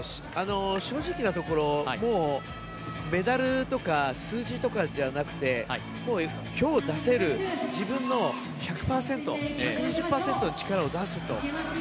正直なところメダルとか数字とかじゃなくて今日出せる自分の１００％１２０％の力を出すと。